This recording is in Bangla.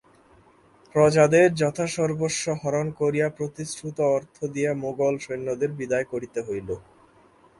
প্রজাদের যথাসর্বস্ব হরণ করিয়া প্রতিশ্রুত অর্থ দিয়া মোগল-সৈন্যদের বিদায় করিতে হইল।